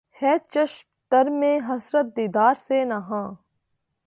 ھے چشم تر میں حسرت دیدار سے نہاں